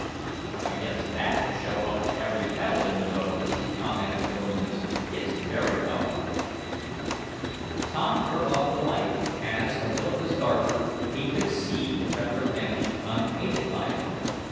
"I guess that will show up every pebble in the road," commented the balloonist. "It's very powerful." Tom turned off the light, as, until it was darker, he could see to better advantage unaided by it.